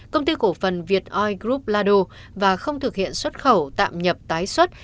công ty cổ phần việt oil group lado và không thực hiện xuất khẩu tạm nhập tái xuất